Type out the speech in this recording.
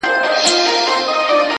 • چي پیسې لري هغه د نر بچی دی..